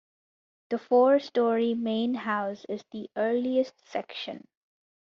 The four story "main house" is the earliest section.